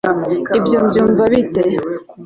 ibyo byumva bite